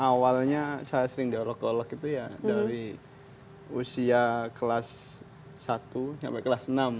awalnya saya sering diolok olok itu ya dari usia kelas satu sampai kelas enam